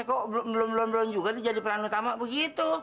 kok belon belon juga jadi peran utama begitu